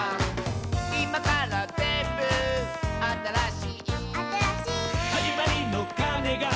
「いまからぜんぶあたらしい」「あたらしい」「はじまりのかねが」